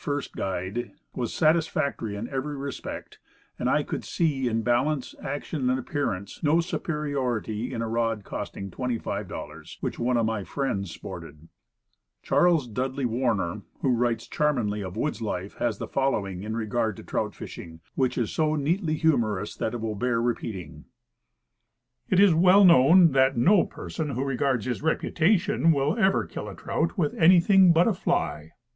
It was satisfactory in every respect; and I could see no special superiority in a split bamboo costing $25, which one of my friends sported Charles Dudley Warner, who writes charmingly of woods life, has the following in regard to trout fishing, which is so neatly humorous that it will bear repeating: "It is well known that no person who regards his reputation will ever kill a trout with anything but a 1 6 Woodcraft. fly.